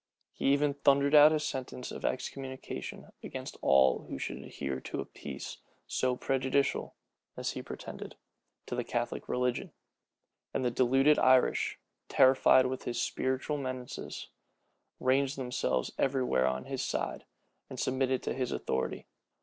He even thundered out a sentence of excommunication against all who should adhere to a peace so prejudicial, as he pretended, to the Catholic religion; and the deluded Irish, terrified with his spiritual menaces, ranged themselves every where on his side, and submitted to his authority.